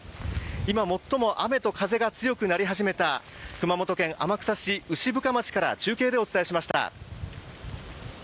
今最も雨と風が強くなり始めた熊本県天草市牛深町から中継でお伝えしました。